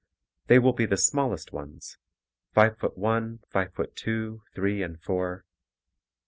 They will be the smallest ones, five foot one, five foot two, three and four.